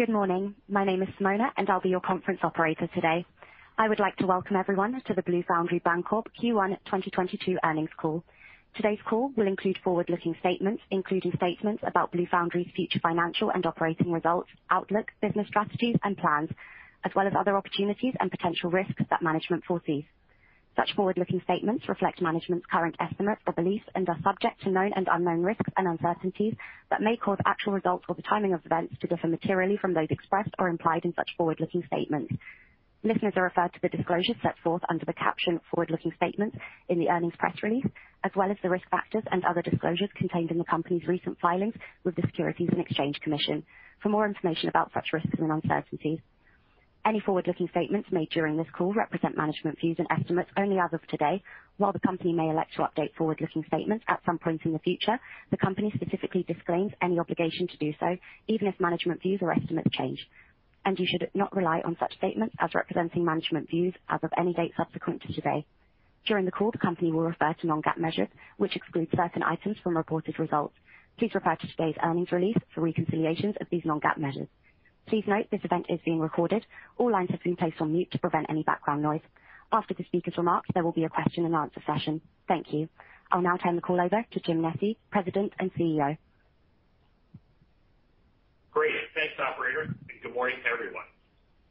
Good morning. My name is Simona, and I'll be your conference operator today. I would like to welcome everyone to the Blue Foundry Bancorp Q1 2022 earnings call. Today's call will include forward-looking statements, including statements about Blue Foundry's future financial and operating results, outlook, business strategies and plans, as well as other opportunities and potential risks that management foresees. Such forward-looking statements reflect management's current estimates or beliefs and are subject to known and unknown risks and uncertainties that may cause actual results or the timing of events to differ materially from those expressed or implied in such forward-looking statements. Listeners are referred to the disclosures set forth under the caption "Forward-Looking Statements" in the earnings press release, as well as the risk factors and other disclosures contained in the Company's recent filings with the Securities and Exchange Commission for more information about such risks and uncertainties. Any forward-looking statements made during this call represent management's views and estimates only as of today. While the Company may elect to update forward-looking statements at some point in the future, the Company specifically disclaims any obligation to do so, even if management views or estimates change. You should not rely on such statements as representing management views as of any date subsequent to today. During the call, the Company will refer to non-GAAP measures, which exclude certain items from reported results. Please refer to today's earnings release for reconciliations of these non-GAAP measures. Please note this event is being recorded. All lines have been placed on mute to prevent any background noise. After the speaker's remarks, there will be a question-and-answer session. Thank you. I'll now turn the call over to Jim Nesci, President and CEO. Great. Thanks, operator, and good morning, everyone.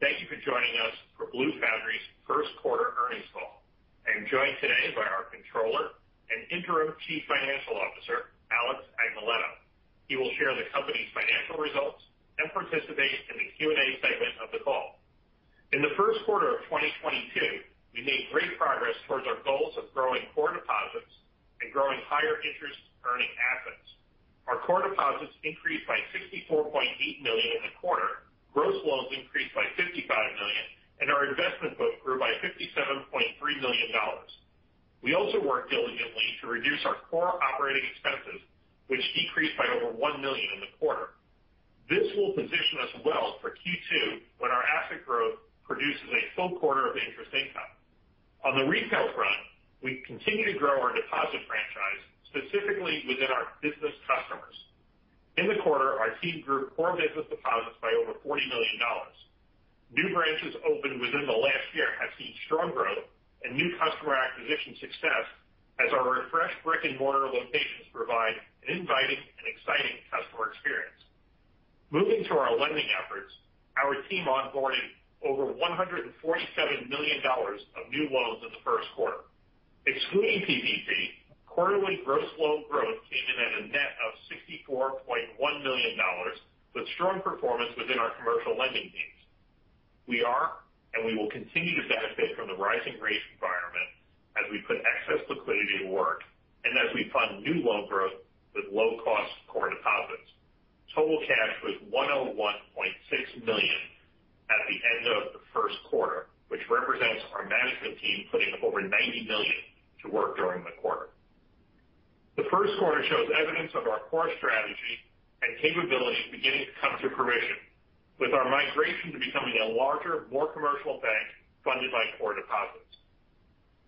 Thank you for joining us for Blue Foundry's first quarter earnings call. I am joined today by our Controller and Interim Chief Financial Officer, Alex Agnoletto. He will share the company's financial results and participate in the Q&A segment of the call. In the first quarter of 2022, we made great progress towards our goals of growing core deposits and growing higher interest earning assets. Our core deposits increased by $64.8 million in the quarter. Gross loans increased by $55 million, and our investment book grew by $57.3 million. We also worked diligently to reduce our core operating expenses, which decreased by over $1 million in the quarter. This will position us well for Q2 when our asset growth produces a full quarter of interest income. On the retail front, we continue to grow our deposit franchise, specifically within our business customers. In the quarter, our team grew core business deposits by over $40 million. New branches opened within the last year have seen strong growth and new customer acquisition success as our refreshed brick-and-mortar locations provide an inviting and exciting customer experience. Moving to our lending efforts, our team onboarded over $147 million of new loans in the first quarter. Excluding PPP, quarterly gross loan growth came in at a net of $64.1 million, with strong performance within our commercial lending teams. We are, and we will continue to benefit from the rising rate environment as we put excess liquidity to work and as we fund new loan growth with low cost core deposits. Total cash was $101.6 million at the end of the first quarter, which represents our management team putting over $90 million to work during the quarter. The first quarter shows evidence of our core strategy and capabilities beginning to come to fruition with our migration to becoming a larger, more commercial bank funded by core deposits.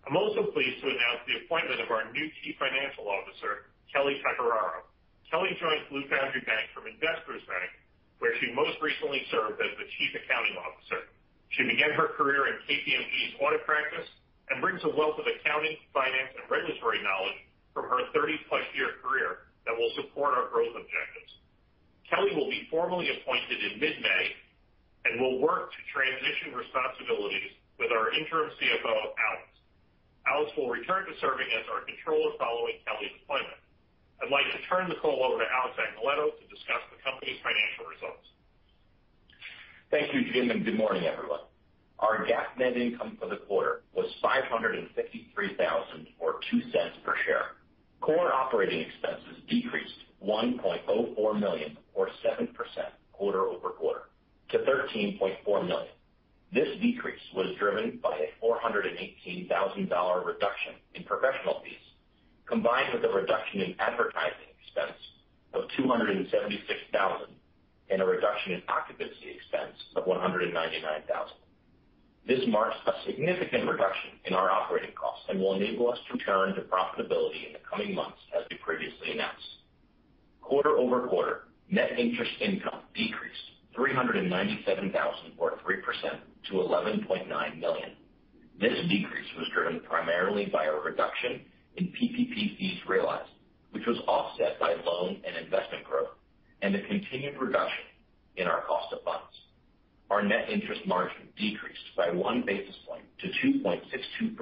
I'm also pleased to announce the appointment of our new Chief Financial Officer, Kelly Pecoraro. Kelly joins Blue Foundry Bank from Investors Bank, where she most recently served as the chief accounting officer. She began her career in KPMG's audit practice and brings a wealth of accounting, finance, and regulatory knowledge from her 30+ year career that will support our growth objectives. Kelly will be formally appointed in mid-May and will work to transition responsibilities with our interim CFO, Alex. Alex will return to serving as our controller following Kelly's appointment. I'd like to turn the call over to Alex Agnoletto to discuss the company's financial results. Thank you, Jim, and good morning, everyone. Our GAAP net income for the quarter was $553,000 or $0.02 per share. Core operating expenses decreased $1.04 million or 7% quarter-over-quarter to $13.4 million. This decrease was driven by a $418,000 reduction in professional fees, combined with a reduction in advertising expense of $276,000 and a reduction in occupancy expense of $199,000. This marks a significant reduction in our operating costs and will enable us to return to profitability in the coming months as we previously announced. Quarter-over-quarter, net interest income decreased $397,000 or 3% to $11.9 million. This decrease was driven primarily by a reduction in PPP fees realized, which was offset by loan and investment growth and a continued reduction in our cost of funds. Our net interest margin decreased by 1 basis point to 2.62%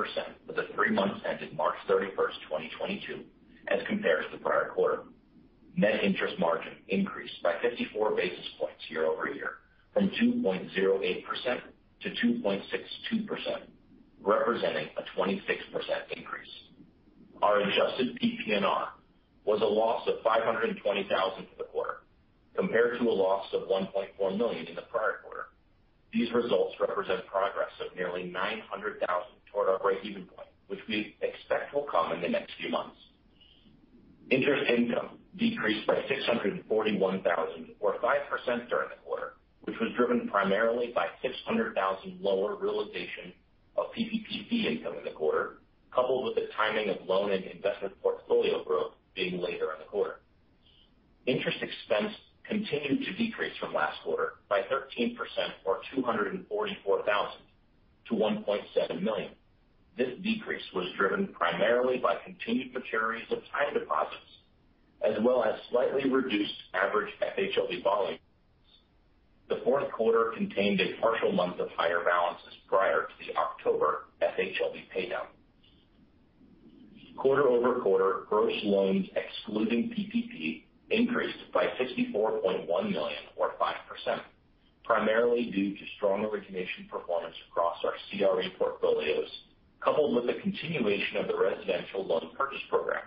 for the three months ended March 31, 2022, as compared to the prior quarter. Net interest margin increased by 54 basis points year-over-year from 2.08% to 2.62%, representing a 26% increase. Our adjusted PPNR was a loss of $520 thousand for the quarter compared to a loss of $1.4 million in the prior quarter. These results represent progress of nearly $900 thousand toward our breakeven point, which we expect will come in the next few months. Interest income decreased by $641,000 or 5% during the quarter, which was driven primarily by $600,000 lower realization of PPP fee income in the quarter, coupled with the timing of loan and investment portfolio growth being later in the quarter. Interest expense continued to decrease from last quarter by 13% or $244,000 million to $1.7 million. This decrease was driven primarily by continued maturities of time deposits as well as slightly reduced average FHLB volumes. The fourth quarter contained a partial month of higher balances prior to the October FHLB paydown. Quarter-over-quarter gross loans excluding PPP increased by $64.1 million or 5%, primarily due to strong origination performance across our CRE portfolios, coupled with the continuation of the residential loan purchase program.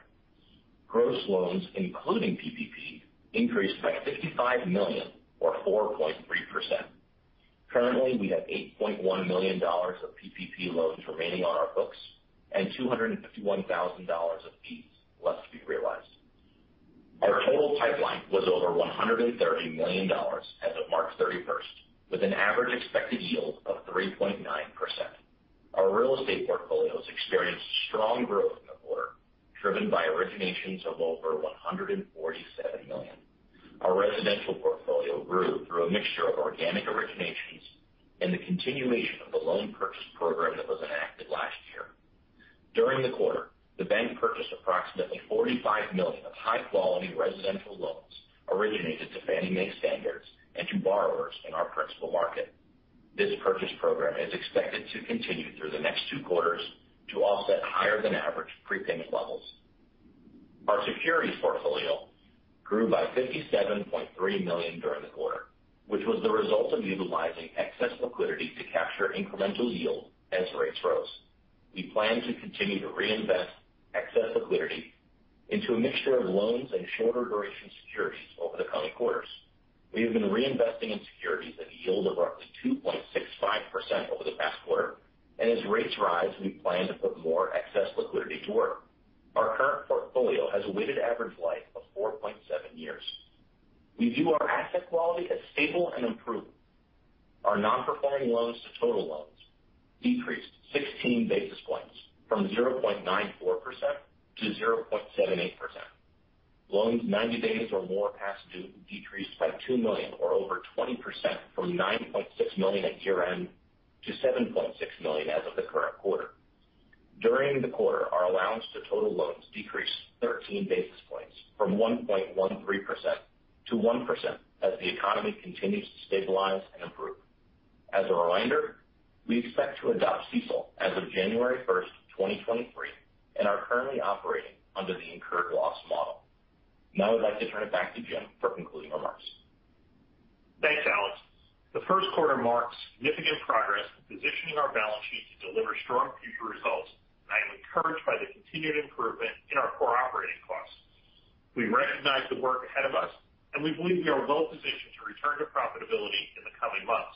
Gross loans, including PPP, increased by $55 million or 4.3%. Currently, we have $8.1 million of PPP loans remaining on our books and $251,000 of fees left to be realized. Our total pipeline was over $130 million as of March 31st, with an average expected yield of 3.9%. Our real estate portfolios experienced strong growth in the quarter, driven by originations of over $147 million. Our residential portfolio grew through a mixture of organic originations and the continuation of the loan purchase program that was enacted last year. During the quarter, the bank purchased approximately $45 million of high-quality residential loans originated to Fannie Mae standards and to borrowers in our principal market. This purchase program is expected to continue through the next two quarters to offset higher than average prepayment levels. Our securities portfolio grew by $57.3 million during the quarter, which was the result of utilizing excess liquidity to capture incremental yield as rates rose. We plan to continue to reinvest excess liquidity into a mixture of loans and shorter duration securities over the coming quarters. We have been reinvesting in securities at a yield of roughly 2.65% over the past quarter, and as rates rise, we plan to put more excess liquidity to work. Our current portfolio has a weighted average life of 4.7 years. We view our asset quality as stable and improving. Our non-performing loans to total loans decreased 16 basis points from 0.94% to 0.78%. Loans 90 days or more past due decreased by $2 million or over 20% from $9.6 million at year-end to $7.6 million as of the current quarter. During the quarter, our allowance to total loans decreased 13 basis points from 1.13% to 1% as the economy continues to stabilize and improve. As a reminder, we expect to adopt CECL as of January 1, 2023 and are currently operating under the incurred loss model. Now I'd like to turn it back to Jim for concluding remarks. Thanks, Alex. The first quarter marks significant progress in positioning our balance sheet to deliver strong future results, and I am encouraged by the continued improvement in our core operating costs. We recognize the work ahead of us, and we believe we are well-positioned to return to profitability in the coming months.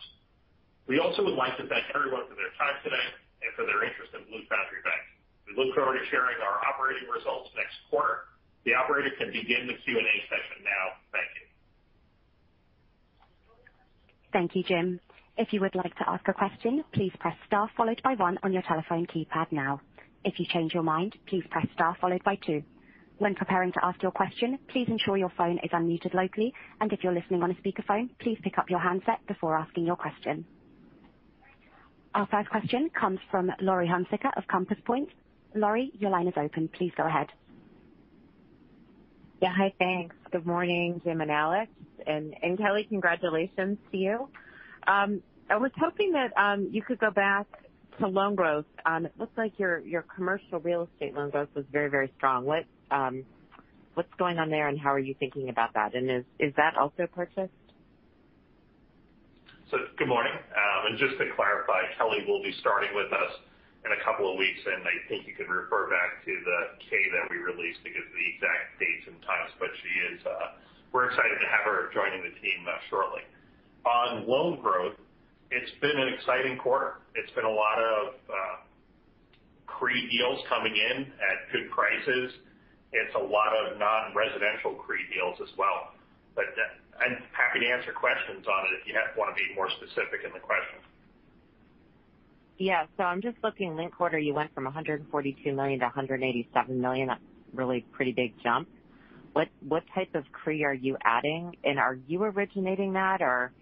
We also would like to thank everyone for their time today and for their interest in Blue Foundry Bank. We look forward to sharing our operating results next quarter. The operator can begin the Q&A session now. Thank you. Thank you, Jim. If you would like to ask a question, please press star followed by one on your telephone keypad now. If you change your mind, please press star followed by two. When preparing to ask your question, please ensure your phone is unmuted locally. If you're listening on a speakerphone, please pick up your handset before asking your question. Our first question comes from Laurie Hunsicker of Compass Point. Laurie, your line is open. Please go ahead. Yeah. Hi. Thanks. Good morning, Jim and Alex. Kelly, congratulations to you. I was hoping that you could go back to loan growth. It looks like your commercial real estate loan growth was very strong. What’s going on there, and how are you thinking about that? Is that also purchased? Good morning. Just to clarify, Kelly will be starting with us in a couple of weeks, and I think you can refer back to the 8-K that we released to give the exact dates and times. She is. We're excited to have her joining the team, shortly. On loan growth, it's been an exciting quarter. It's been a lot of CRE deals coming in at good prices. It's a lot of non-residential CRE deals as well. I'm happy to answer questions on it if you wanna be more specific in the question. Yeah. I'm just looking. Last quarter, you went from $142 million to $187 million. That's really pretty big jump. What type of CRE are you adding? Are you originating that, or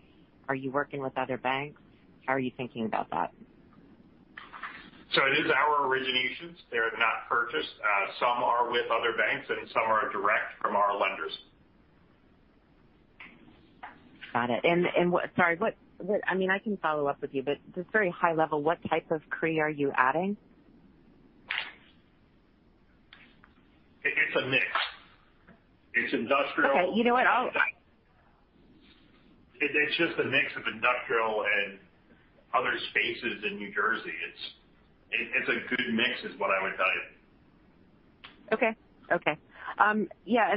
are you working with other banks? How are you thinking about that? It is our originations. They're not purchased. Some are with other banks, and some are direct from our lenders. Got it. Sorry, I mean, I can follow up with you, but just very high level, what type of CRE are you adding? It's a mix. It's industrial. Okay. You know what? It's just a mix of industrial and other spaces in New Jersey. It's a good mix is what I would tell you. Okay. Yeah.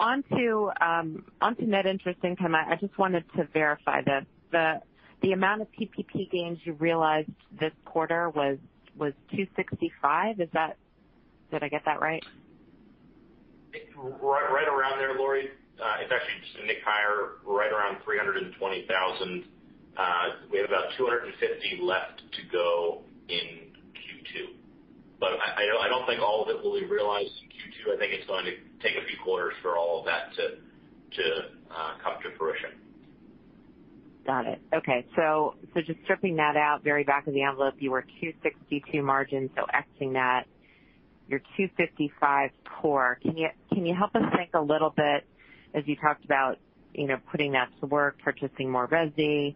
Onto net interest income, I just wanted to verify this. The amount of PPP gains you realized this quarter was $265. Did I get that right? Right, right around there, Laurie. It's actually just a nick higher, right around $320 thousand. We have about $250 thousand left to go in Q2. I don't think all of it will be realized in Q2. I think it's going to take a few quarters for all of that to come to fruition. Got it. Okay. Just stripping that out very back of the envelope, you were 2.62 margin, so X-ing that, your 2.55 core. Can you help us think a little bit as you talked about, you know, putting that to work, purchasing more resi,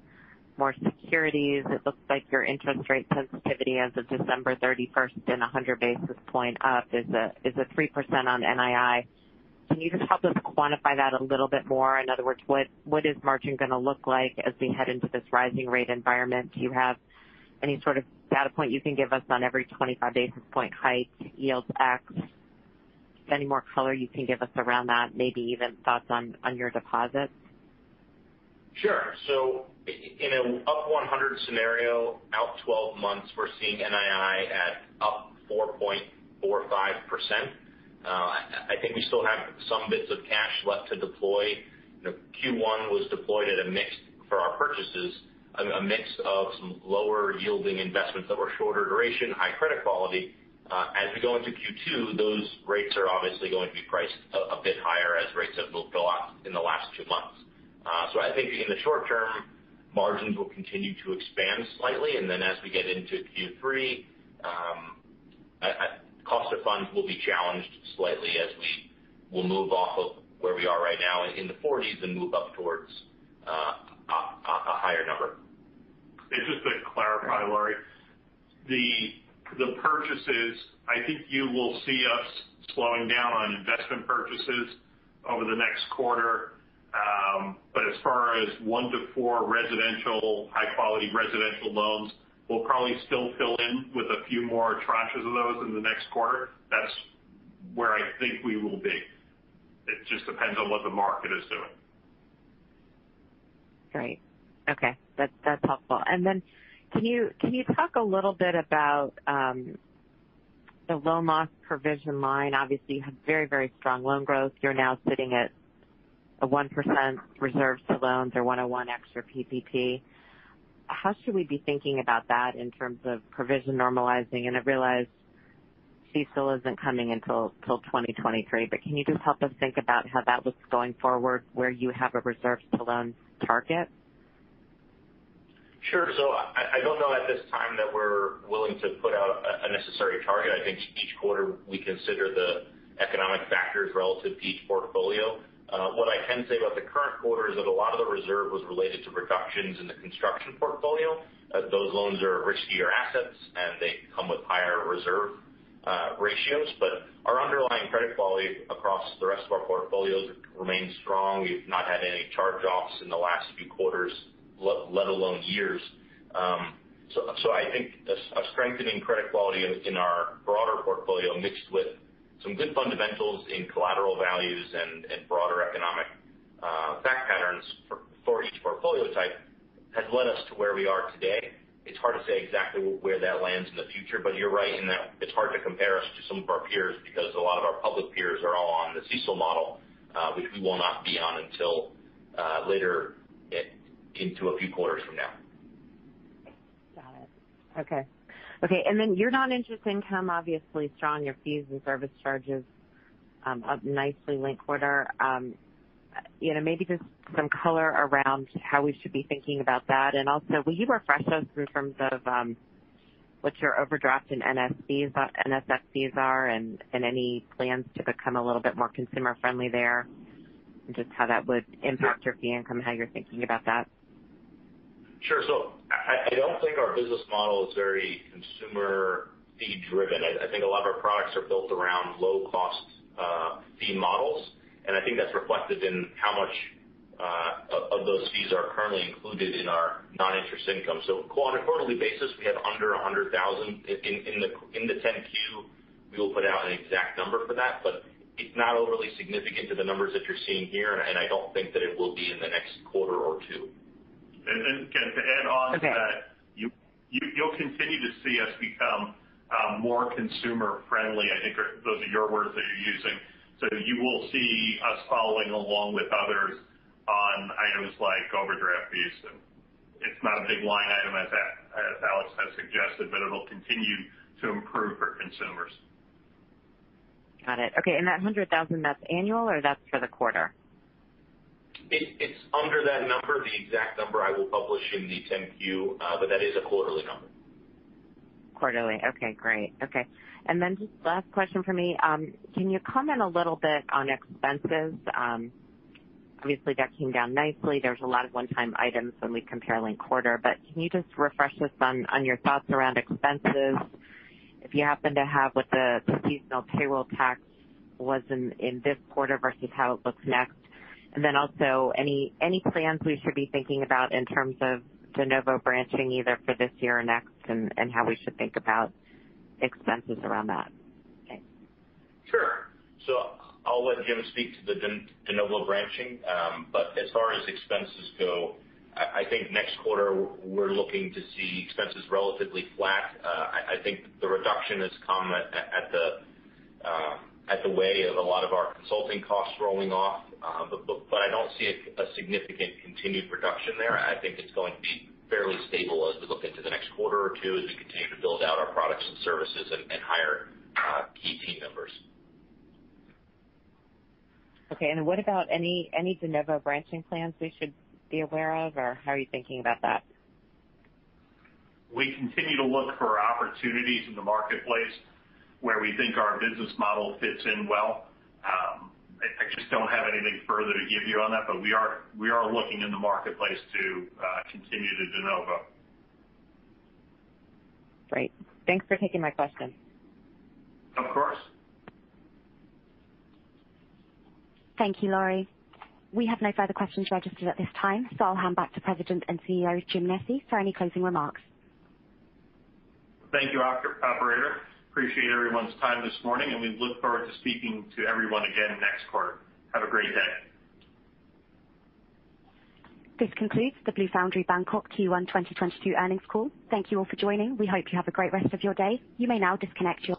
more securities. It looks like your interest rate sensitivity as of December 31 in a 100 basis point up is a 3% on NII. Can you just help us quantify that a little bit more? In other words, what is margin gonna look like as we head into this rising rate environment? Do you have any sort of data point you can give us on every 25 basis point hike, yields, X, any more color you can give us around that, maybe even thoughts on your deposits? Sure. In a up 100 scenario, out 12 months, we're seeing NII at up 4.45%. I think we still have some bits of cash left to deploy. You know, Q1 was deployed at a mix for our purchases, a mix of some lower yielding investments that were shorter duration, high credit quality. As we go into Q2, those rates are obviously going to be priced a bit higher as rates have moved up in the last two months. I think in the short term, margins will continue to expand slightly. As we get into Q3, cost of funds will be challenged slightly as we will move off of where we are right now in the 40s and move up towards a higher number. Just to clarify, Laurie. The purchases, I think you will see us slowing down on investment purchases over the next quarter. But as far as one to four residential high quality residential loans, we'll probably still fill in with a few more tranches of those in the next quarter. That's where I think we will be. It just depends on what the market is doing. Great. Okay. That's helpful. Can you talk a little bit about the loan loss provision line? Obviously, you have very, very strong loan growth. You're now sitting at a 1% reserves to loans or 1.01x the PPP. How should we be thinking about that in terms of provision normalizing? I realize CECL isn't coming until 2023, but can you just help us think about how that looks going forward, where you have a reserves to loans target? Sure. I don't know at this time that we're willing to put out a necessary target. I think each quarter we consider the economic factors relative to each portfolio. What I can say about the current quarter is that a lot of the reserve was related to reductions in the construction portfolio. Those loans are riskier assets, and they come with higher reserve ratios. But our underlying credit quality across the rest of our portfolios remains strong. We've not had any charge-offs in the last few quarters, let alone years. I think a strengthening credit quality in our broader portfolio, mixed with some good fundamentals in collateral values and broader economic fact patterns for each portfolio type, has led us to where we are today. It's hard to say exactly where that lands in the future, but you're right in that it's hard to compare us to some of our peers because a lot of our public peers are all on the CECL model, which we will not be on until later it into a few quarters from now. Got it. Okay. Your non-interest income, obviously strong. Your fees and service charges, up nicely linked quarter. You know, maybe just some color around how we should be thinking about that. Also, will you refresh us in terms of what your overdraft and NSF fees are and any plans to become a little bit more consumer friendly there? Just how that would impact your fee income, how you're thinking about that. Sure. I don't think our business model is very consumer fee driven. I think a lot of our products are built around low cost, fee models. I think that's reflected in how much, of those fees are currently included in our non-interest income. On a quarterly basis, we have under $100,000. In the 10-Q, we will put out an exact number for that, but it's not overly significant to the numbers that you're seeing here, and I don't think that it will be in the next quarter or two. Ken, to add on to that. Okay. You'll continue to see us become more consumer-friendly. I think those are your words that you're using. You will see us following along with others on items like overdraft fees. It's not a big line item as Alex has suggested, but it'll continue to improve for consumers. Got it. Okay. That $100,000, that's annual or that's for the quarter? It's under that number. The exact number I will publish in the 10-Q, but that is a quarterly number. Quarterly. Okay, great. Okay. Just last question for me. Can you comment a little bit on expenses? Obviously that came down nicely. There's a lot of one-time items when we compare linked quarter. But can you just refresh us on your thoughts around expenses? If you happen to have what the seasonal payroll tax was in this quarter versus how it looks next. Then also any plans we should be thinking about in terms of de novo branching either for this year or next and how we should think about expenses around that? Thanks. I'll let Jim speak to the de novo branching. As far as expenses go, I think next quarter we're looking to see expenses relatively flat. I think the reduction has come by way of a lot of our consulting costs rolling off. I don't see a significant continued reduction there. I think it's going to be fairly stable as we look into the next quarter or two, as we continue to build out our products and services and hire key team members. Okay. What about any de novo branching plans we should be aware of? Or how are you thinking about that? We continue to look for opportunities in the marketplace where we think our business model fits in well. I just don't have anything further to give you on that. We are looking in the marketplace to continue the de novo. Great. Thanks for taking my question. Of course. Thank you, Laurie. We have no further questions registered at this time, so I'll hand back to President and CEO, James Nesci, for any closing remarks. Thank you, operator. Appreciate everyone's time this morning, and we look forward to speaking to everyone again next quarter. Have a great day. This concludes the Blue Foundry Bank Q1 2022 earnings call. Thank you all for joining. We hope you have a great rest of your day. You may now disconnect your lines.